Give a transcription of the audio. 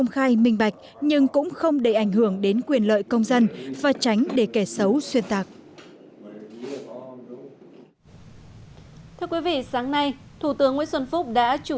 khi mà chúng ta đã tăng quy mô nền kinh tế lên tới năm triệu tỷ